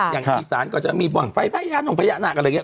อย่างฝีศาลก็จะมีบ่างไฟภัยญานกเพราะภัยอย่างหนักอะไรอย่างเงี้ย